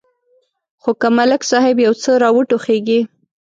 خو که ملک صاحب یو څه را وټوخېږي.